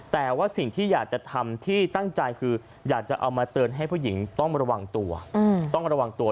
แต่ว่าสิ่งที่อยากจะทำที่ตั้งใจคืออยากจะเอามาเตือนให้ผู้หญิงต้องระวังตัวต้องระวังตัว